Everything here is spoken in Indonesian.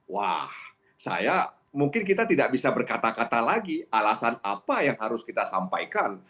wah saya mungkin kita tidak bisa berkata kata lagi alasan apa yang harus kita sampaikan